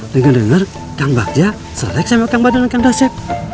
dengar dengar kang bagja selek sama kang badan dan kang dasyep